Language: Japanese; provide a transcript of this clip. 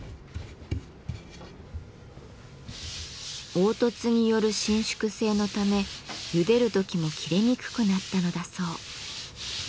凹凸による伸縮性のためゆでる時も切れにくくなったのだそう。